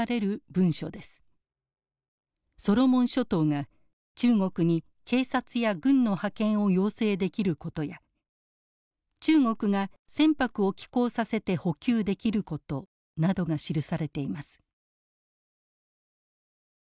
ソロモン諸島が中国に警察や軍の派遣を要請できることや中国が船舶を寄港させて補給できることなどが記されています。